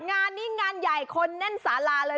งานนี้งานใหญ่คนแน่นสาราเลย